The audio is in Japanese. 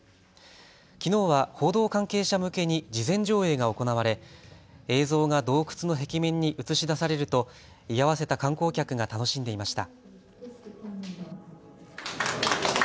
きのうは報道関係者向けに事前上映が行われ映像が洞窟の壁面に映し出されると居合わせた観光客が楽しんでいました。